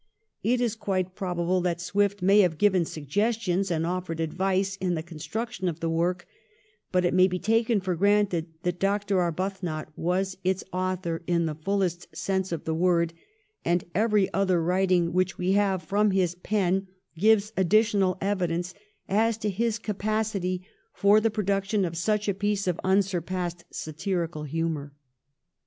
It is quite probable that Swift may have given suggestions and ofiered advice in the construction of the work, but it may be taken for granted that Dr. Arbuthnot was its author in the fullest sense of the word, and every other writing which we have from his pen gives additional evidence as to his capacity for the pro duction of such a piece of unsurpassed satirical humour.